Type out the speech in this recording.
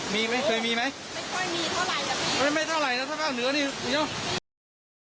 นี่รอบกี่ปีน่ะฮะในกรุงเทพฯลูกเห็บตกน่ะมีไหมเคยมีไหม